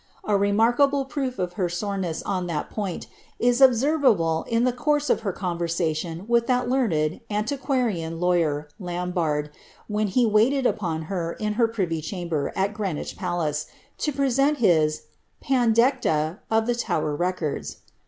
A remarkable proof of her soreness on that point is observable in the course of her conversation with that learned, antiquarian lawyer, Lam barde, when he waited upon her, in her privy chamber, at Greenwich palace, to present his " Pandecta of the Tower Records."